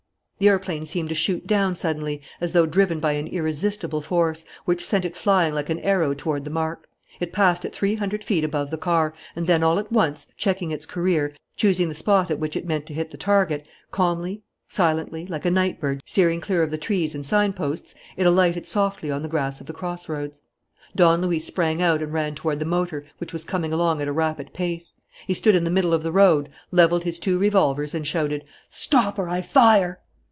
The aeroplane seemed to shoot down suddenly, as though driven by an irresistible force, which sent it flying like an arrow toward the mark. It passed at three hundred feet above the car, and then, all at once, checking its career, choosing the spot at which it meant to hit the target, calmly, silently, like a night bird, steering clear of the trees and sign posts, it alighted softly on the grass of the crossroads. Don Luis sprang out and ran toward the motor, which was coming along at a rapid pace. He stood in the middle of the road, levelled his two revolvers, and shouted: "Stop, or I fire!"